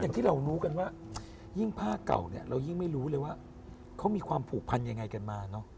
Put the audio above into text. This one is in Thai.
ที่เรารู้กันว่ายิ่งผ้าเก่าเนี่ยเรายิ่งไม่รู้เลยว่าเขามีความผูกพันยังไงกันมาเนอะ